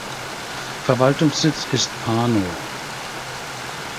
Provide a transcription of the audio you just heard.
Verwaltungssitz ist Pano.